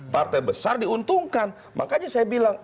partai besar diuntungkan makanya saya bilang